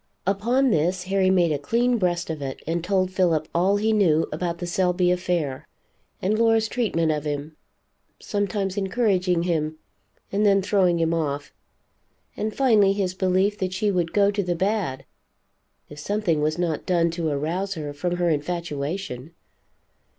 Upon this, Harry made a clean breast of it, and told Philip all he knew about the Selby affair, and Laura's treatment of him, sometimes encouraging him and then throwing him off, and finally his belief that she would go to the bad if something was not done to arouse her from her infatuation.